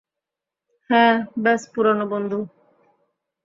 হ্যাঁ, ব্যস পুরানো বন্ধু।